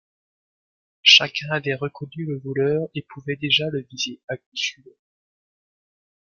Chacun avait reconnu le voleur et pouvait déjà le viser à coup sûr.